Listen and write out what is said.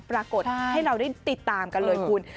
ปรากฏให้เราได้ติดตามกันเลยคุณ